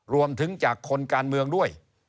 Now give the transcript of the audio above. รวมถึงจากคนการเมืองด้วย